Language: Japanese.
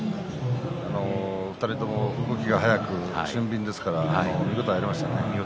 ２人とも動きが速く俊敏ですから見応えがありましたね。